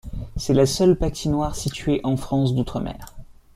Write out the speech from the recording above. C'est la seule patinoire située en France d'outre-mer.